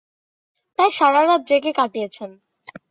প্রায় সারা রাত জেগে কাটিয়েছেন।